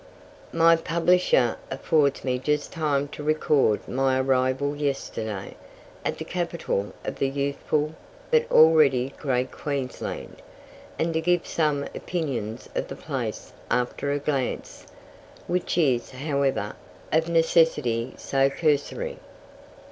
My publisher affords me just time to record my arrival yesterday, at the capital of the youthful but already great Queensland, and to give some opinions of the place after a glance, which is, however, of necessity so cursory.